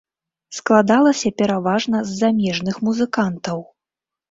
Складалася пераважна з замежных музыкантаў.